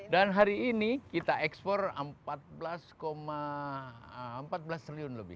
dan hari ini kita ekspor empat belas enam triliun lebih